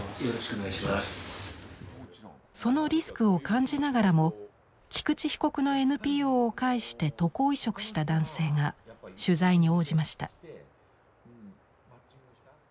そのリスクを感じながらも菊池被告のＮＰＯを介して渡航移植した男性が取材に応じました。